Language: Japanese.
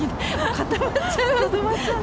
固まっちゃうね。